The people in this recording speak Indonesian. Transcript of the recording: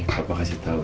ini papa kasih tau